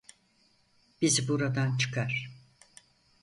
Bizi buradan çıkar!